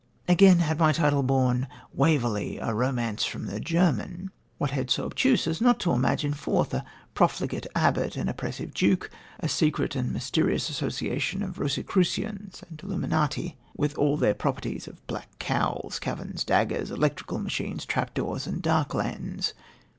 Again, had my title borne 'Waverley, a Romance from the German,' what head so obtuse as not to image forth a profligate abbot, an oppressive duke, a secret and mysterious association of Rosycrucians and Illuminati, with all their properties of black cowls, caverns, daggers, electrical machines, trap doors and dark lanterns?